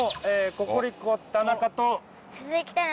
ココリコ田中と。